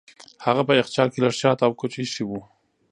هغه په یخچال کې لږ شات او کوچ ایښي وو.